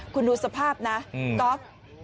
คุณรู้สภาพนะต๊อก